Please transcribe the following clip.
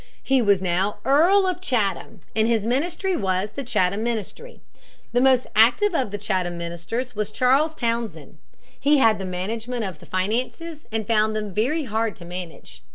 He was now Earl of Chatham, and his ministry was the Chatham Ministry. The most active of the Chatham ministers was Charles Townshend. He had the management of the finances and found them very hard to manage.